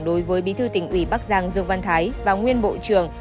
đối với bí thư tỉnh ủy bắc giang dương văn thái và nguyên bộ trưởng